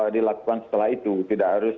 dilakukan setelah itu tidak harus